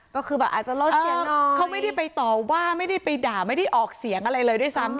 ก็คือแบบอาจจะลดเสียงเขาไม่ได้ไปต่อว่าไม่ได้ไปด่าไม่ได้ออกเสียงอะไรเลยด้วยซ้ำ